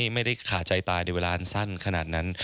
ไม่ได้ขาดใจตายในเวลาอันสั้นขนาดนั้น